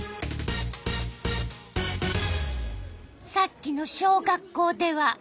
さっきの小学校では。